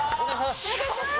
お願いします！